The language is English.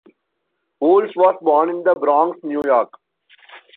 Wolf was born in the Bronx, New York.